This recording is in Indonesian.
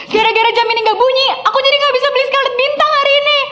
gara gara jam ini gak bunyi aku jadi gak bisa beli sekali bintang hari ini